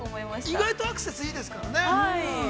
◆意外とアクセスいいですからね。